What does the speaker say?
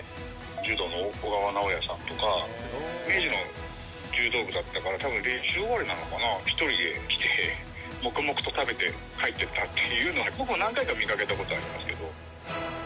柔道の小川直也さんとか、明治の柔道部だったから、たぶん練習終わりなのかな、１人で来て、黙々と食べて帰ってったっていうのが、僕も何回か見かけたことありますけど。